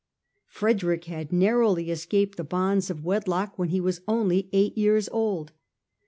Frederick had nar rowly escaped the bonds of wedlock when only eight years old.